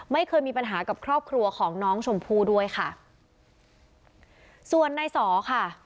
ไม่เคยมีปัญหากับครอบครัวของน้องชมพู่ด้วยค่ะส่วนในสอค่ะ